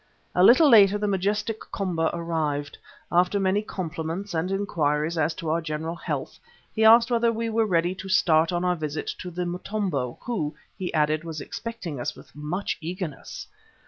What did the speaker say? A little later the Majestic Komba appeared. After many compliments and inquiries as to our general health, he asked whether we were ready to start on our visit to the Motombo who, he added, was expecting us with much eagerness.